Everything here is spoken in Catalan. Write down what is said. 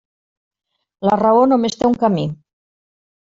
La raó només té un camí.